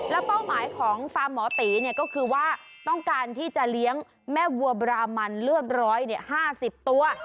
แล้วเป้าหมายของฟาร์มหมอตีก็คือว่าต้องการที่จะเลี้ยงแม่วัวบรามันเลือด๑๕๐ตัว